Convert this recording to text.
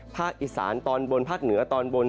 ภาคอีสานตอนบนภาคเหนือตอนบน